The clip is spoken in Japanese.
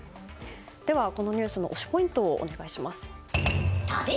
では、このニュースの推しポイントをお願いします。